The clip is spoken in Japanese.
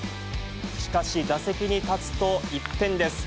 しかし、打席に立つと、一変です。